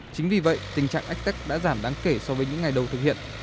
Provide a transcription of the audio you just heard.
chính vì vậy tình trạng ách tắc đã giảm đáng kể so với những ngày đầu thực hiện